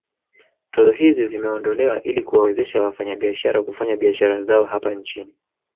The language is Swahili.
Tozo hizi zimeondolewa ili kuwawezesha wafanyabiashara kufanya biashara zao hapa nchini